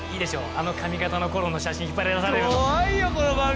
あの髪形のころの写真引っ張り出されるの。